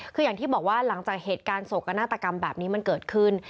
คืออย่างที่บอกว่าหลังจากเหตุการณ์โศกนาฏกรรมแบบนี้มันเกิดขึ้น